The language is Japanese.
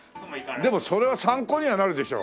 でもそれは参考にはなるでしょ。